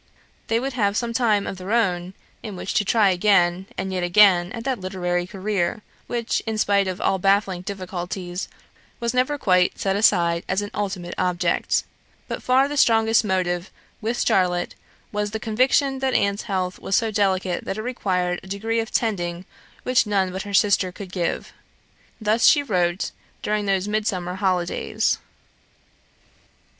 They would have some time of their own, in which to try again and yet again at that literary career, which, in spite of all baffling difficulties, was never quite set aside as an ultimate object; but far the strongest motive with Charlotte was the conviction that Anne's health was so delicate that it required a degree of tending which none but her sister could give. Thus she wrote during those midsummer holidays.